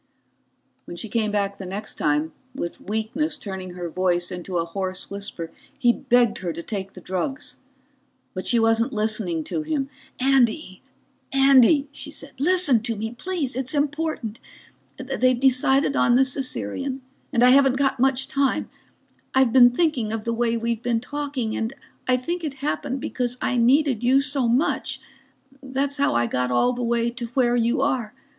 When she came back the next time, with weakness turning her voice into a hoarse whisper, he begged her to take the drugs. But she wasn't listening to him. "Andy, Andy," she said, "listen to me please. It's important. They've decided on the Caesarean, and I haven't got much time. I've been thinking of the way we've been talking, and I think it happened because I needed you so much. That's how I got all the way to where you are.